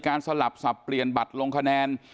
ว่าจะมีการสลับสับเปลี่ยนบัตรลงคะแนน